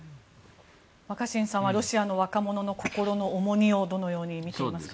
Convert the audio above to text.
若新さんはロシアの若者の心の重荷をどのように見ていますか？